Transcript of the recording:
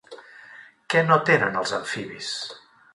Què no tenen els amfibis?